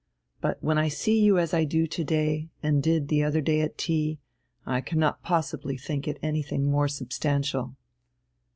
But when I see you as I do to day, and did the other day at tea, I cannot possibly think it anything more substantial."